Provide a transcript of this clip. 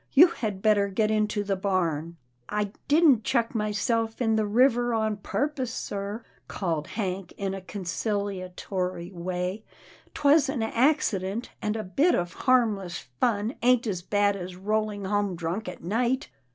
You had bet ter get into the barn." " I didn't chuck myself in the river on purpose, sir," called Hank in a conciliatory way. " 'Twas an accident, and a bit of harmless fun ain't as bad as rolling home drunk at night."